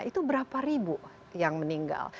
itu berapa ribu yang meninggal